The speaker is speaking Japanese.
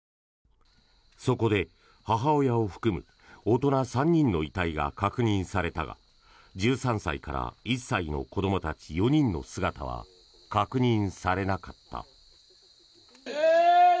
そこで母親を含む大人３人の遺体が確認されたが１３歳から１歳の子どもたち４人の姿は確認されなかった。